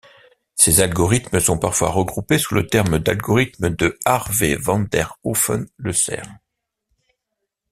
Ces algorithmes sont parfois regroupés sous le terme d'algorithme de Harvey-van der Hoeven-Lecerf.